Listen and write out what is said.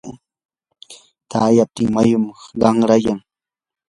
tamyaptin mayum qanrayan.